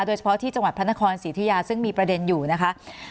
โดยเฉพาะที่จังหวัดพระนครศรีธุยาซึ่งมีประเด็นอยู่นะคะ